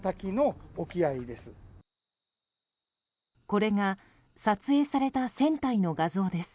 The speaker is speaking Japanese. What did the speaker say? これが撮影された船体の画像です。